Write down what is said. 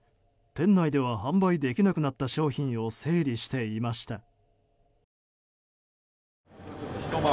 店内では販売できなくなった商品を整理していました。